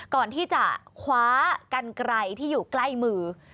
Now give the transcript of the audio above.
ก่อนที่จะคว้ากันไกลที่อยู่ใกล้มือ